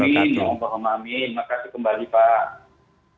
waalaikumsalam warahmatullahi wabarakatuh